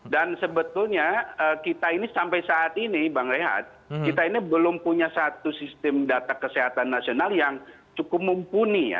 dan sebetulnya kita ini sampai saat ini bang rehat kita ini belum punya satu sistem data kesehatan nasional yang cukup mumpuni ya